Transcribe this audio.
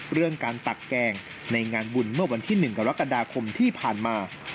เรื่องการตักแกงในงานบุญเมื่อวันที่๑กรกฎาคมที่ผ่านมา